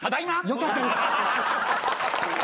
よかったです。